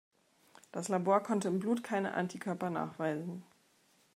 Das Labor konnte im Blut keine Antikörper nachweisen.